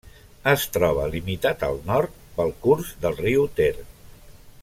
Es troba limitat al nord pel curs del riu Ter.